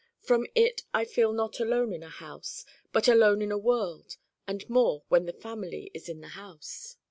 From it I feel not alone in a house but alone in a world: and more when the family is in the house.